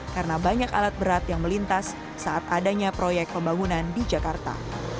karena banyak alat berat yang melintas saat adanya proyek pembangunan di jakarta